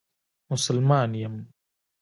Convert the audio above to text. مسلمان یم.